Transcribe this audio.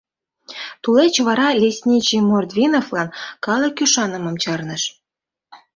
Тулеч вара лесничий Мордвиновлан калык ӱшанымым чарныш.